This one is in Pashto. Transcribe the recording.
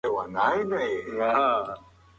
بزګر په خپل زړه کې د آس د وفادارۍ ډېر زیات منندوی و.